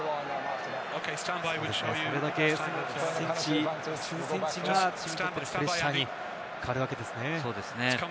それだけ１センチ、数センチがプレッシャーに変わるわけですね。